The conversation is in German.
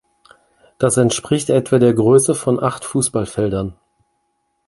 Das entspricht etwa der Größe von acht Fußballfeldern.